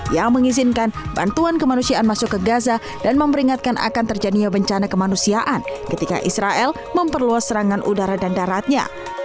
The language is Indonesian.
yang mengizinkan bantuan kemanusiaan masuk ke gaza dan memberingatkan akan terjadinya bencana kemanusiaan ketika israel memperluas serangan udara dan daratnya